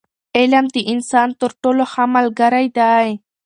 علم د انسان تر ټولو ښه ملګری دی.